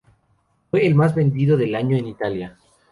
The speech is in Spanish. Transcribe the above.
Fue el single más vendido del año en Italia.